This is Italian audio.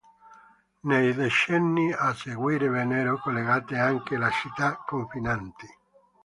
Nei decenni a seguire vennero collegate anche le città confinanti.